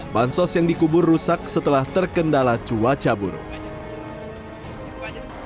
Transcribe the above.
bansos yang dikubur rusak setelah terkendala cuaca buruk